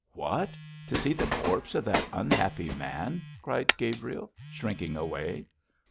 'What! to see the corpse of that unhappy man,' cried Gabriel, shrinking away.